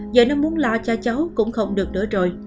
giờ nó muốn lo cho cháu cũng không được nữa rồi